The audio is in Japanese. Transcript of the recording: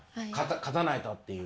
勝たないとっていう。